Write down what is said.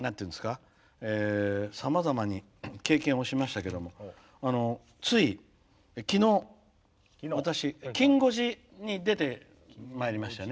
僕もさまざまに経験をしましたがついきのう、「きん５時」に出てまいりましたね。